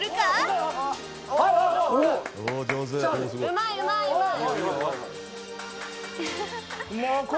うまいうまいうまい！